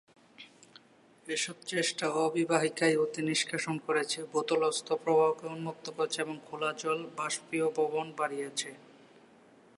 এসব চেষ্টা অববাহিকায় অতি নিষ্কাশন করেছে, ভূতলস্থ প্রবাহকে উন্মুক্ত করেছে এবং খোলাজল বাষ্পীভবন বাড়িয়েছে।